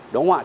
đúng không ạ